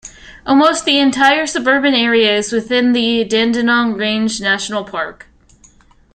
Almost the entire suburban area is within the Dandenong Ranges National Park.